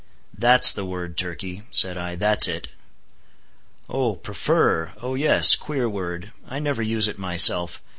"That's the word, Turkey," said I—"that's it." "Oh, prefer? oh yes—queer word. I never use it myself.